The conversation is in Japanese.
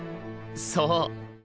そう。